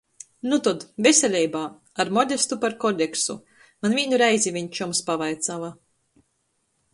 Nu tod — veseleibā! Ar Modestu par kodeksu. Maņ vīnu reizi vīns čoms pavaicuoja.